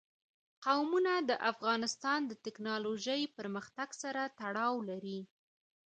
قومونه د افغانستان د تکنالوژۍ پرمختګ سره تړاو لري.